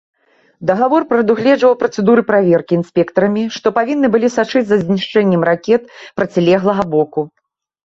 Дагавор прадугледжваў працэдуры праверкі інспектарамі, што павінны былі сачыць за знішчэннем ракет процілеглага боку.